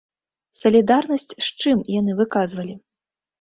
Салідарнасць з чым яны выказвалі?